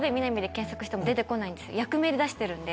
役名で出してるんで。